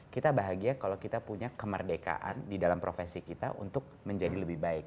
kita bahagia kalau kita punya kemerdekaan di dalam profesi kita untuk menjadi lebih baik